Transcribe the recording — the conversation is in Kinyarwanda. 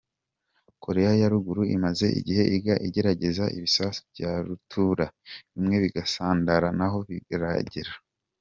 Korea ya ruguru imaze igihe igerageza ibisasu bya rutura, bimwe bigasandara ntaho biragera.